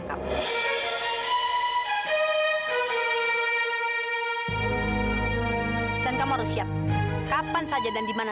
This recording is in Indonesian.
sampai jumpa di video selanjutnya